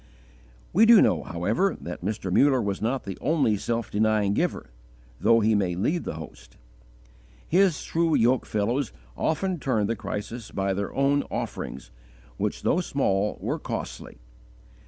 We do know, however, that Mr. Muller was not the only self denying giver, though he may lead the host. His true yoke fellows often turned the crisis by their own offerings, which though small were costly!